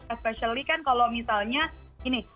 especially kan kalau misalnya ini